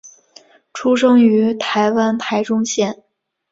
出生于台湾台中县。